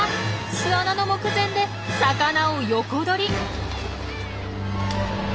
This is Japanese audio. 巣穴の目前で魚を横取り！